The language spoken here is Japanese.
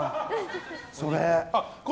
それ。